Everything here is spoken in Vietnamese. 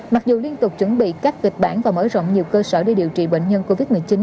mặc dù liên tục chuẩn bị các kịch bản và mở rộng nhiều cơ sở để điều trị bệnh nhân covid một mươi chín